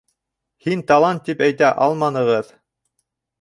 Һин талант тип әйтә алманығыҙ!